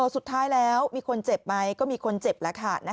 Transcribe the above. สุดท้ายแล้วมีคนเจ็บไหมก็มีคนเจ็บแล้วค่ะ